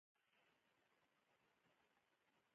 زرکه په غرونو کې ژوند کوي